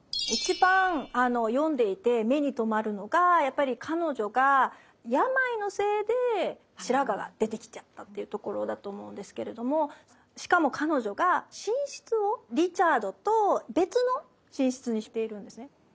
一番あの読んでいて目に留まるのがやっぱり彼女が病のせいで白髪が出てきちゃったっていうところだと思うんですけれどもしかも彼女が寝室をリチャードと別の寝室にしているんですね。